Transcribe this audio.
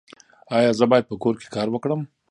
ایا زه باید په کور کې کار وکړم؟